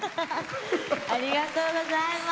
ありがとうございます。